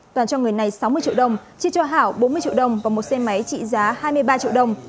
toàn cho người này sáu mươi triệu đồng chi cho hảo bốn mươi triệu đồng và một xe máy trị giá hai mươi ba triệu đồng